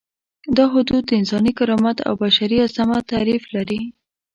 دا حدود د انساني کرامت او بشري عظمت تعریف لري.